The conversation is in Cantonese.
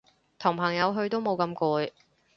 同朋友去都冇咁攰